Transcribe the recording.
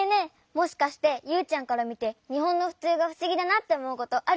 もしかしてユウちゃんからみてにほんのふつうがふしぎだなっておもうことあるんじゃない？